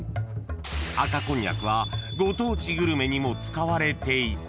［赤こんにゃくはご当地グルメにも使われていて］